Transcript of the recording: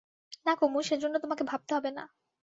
না কুমু, সেজন্যে তোমাকে ভাবতে হবে না।